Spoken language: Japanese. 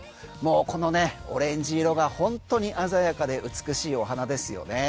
このオレンジ色が本当に鮮やかで美しいお花ですよね。